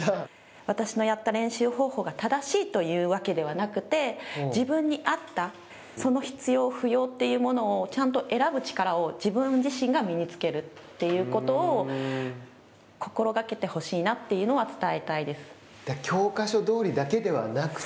私のやった練習方法が正しいというわけではなくて自分に合ったその必要、不要というものをちゃんと選ぶ力を自分自身が身につけるっていうことをここが心がけてほしいなというのは教科書どおりだけではなくて？